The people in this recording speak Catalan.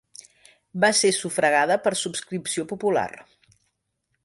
Va ser sufragada per subscripció popular.